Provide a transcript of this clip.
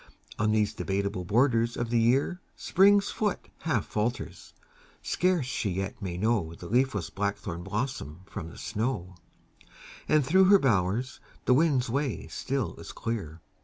On these debateable* borders of the year Spring's foot half falters; scarce she yet may know The leafless blackthorn blossom from the snow; And through her bowers the wind's way still is clear.